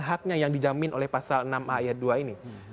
haknya yang dijamin oleh pasal enam ayat dua ini